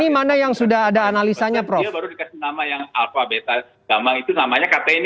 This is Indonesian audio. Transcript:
kalau sudah ada buktinya baru dikasih nama yang alpha beta gamma itu namanya kata ini